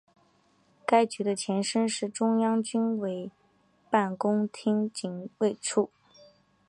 该局的前身是中央军委办公厅警卫处。